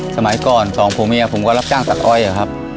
สมัยก่อนสองผัวเมียผมก็รับจ้างตักอ้อยครับ